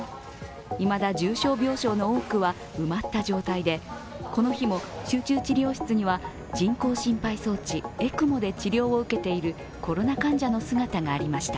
いまだ重症病床の多くは埋まった状態でこの日も集中治療室には人工心肺装置＝ＥＣＭＯで治療を受けているコロナ患者の姿がありました。